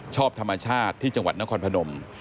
ชอบธรรมชาติที่จังหวัดนครพนม